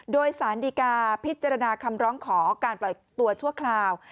โดยสารดีกาพิจารณาคำร้องขอการปล่อยตัวชั่วคราว